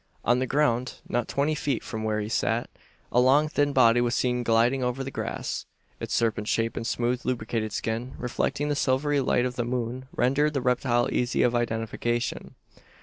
On the ground, not twenty feet from where he sate, a long thin body was seen gliding over the grass. Its serpent shape, and smooth lubricated skin reflecting the silvery light of the moon rendered the reptile easy of identification.